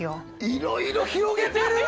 いろいろ広げてるね！